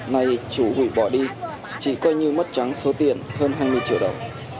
này chủ hủy bỏ đi chỉ coi như mất trắng số tiền hơn hai mươi triệu đồng